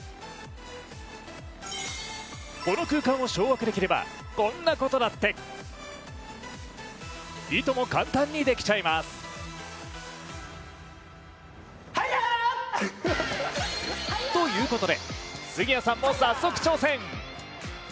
この空間を掌握できればこんなことだっていとも簡単にできちゃいます。ということで、杉谷さんも早速挑戦。